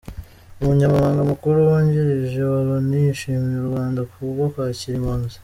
Umunyamabanga Mukuru Wungirije wa Loni yashimiye u Rwanda kubwo kwakira impunzi